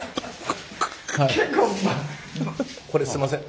これすんません。